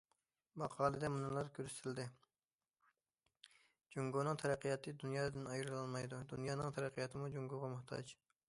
ماقالىدە مۇنۇلار كۆرسىتىلدى: جۇڭگونىڭ تەرەققىياتى دۇنيادىن ئايرىلالمايدۇ، دۇنيانىڭ تەرەققىياتىمۇ جۇڭگوغا موھتاج.